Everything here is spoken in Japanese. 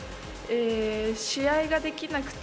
試合ができなくて。